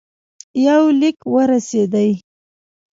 یو لیک ورسېدی.